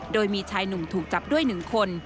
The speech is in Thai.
โดยมีชายหนุ่มถูกจับด้วย๑คน